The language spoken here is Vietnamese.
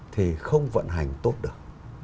thì không vận hành tốt được